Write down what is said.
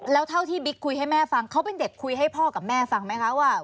แล้วเท่าที่บิ๊กคุยให้แม่ฟังเขาเป็นเด็กคุยให้พ่อกับแม่ฟังไหมคะว่า